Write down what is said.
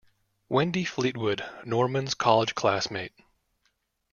Wendy Fleetwood: Norman's college classmate.